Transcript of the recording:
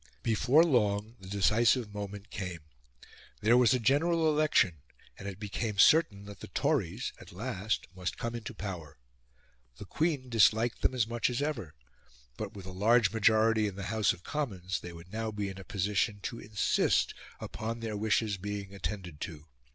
Before long, the decisive moment came. There was a General Election, and it became certain that the Tories, at last, must come into power. The Queen disliked them as much as ever; but, with a large majority in the House of Commons, they would now be in a position to insist upon their wishes being attended to.